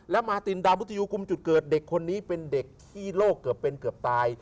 และมาตินดาวมุทยูกุมจุดเกิดเด็กคนนี้เป็นเด็กที่โลกเกือบเป็นเกือบตาย